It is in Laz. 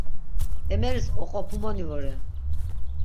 Emeris oqopumoni vore.